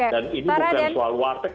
dan ini bukan soal warteg